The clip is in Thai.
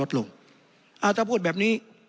ถ้าพูดแบบนี้